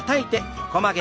横曲げ。